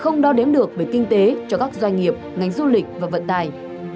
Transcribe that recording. không đo đếm được về kinh tế cho các doanh nghiệp ngành du lịch và vận tài